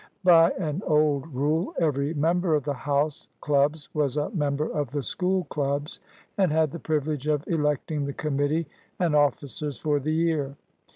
By an old rule, every member of the House clubs was a member of the School clubs and had the privilege of electing the committee and officers for the year.